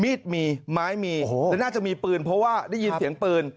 มีดมีไม้มีและน่าจะมีปืนเพราะว่าได้ยินเสียงปืน